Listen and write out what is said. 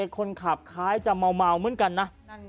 คนขับคล้ายจะเมาเหมือนกันนะ